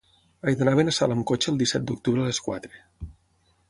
He d'anar a Benassal amb cotxe el disset d'octubre a les quatre.